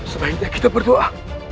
sebaiknya kita berdoa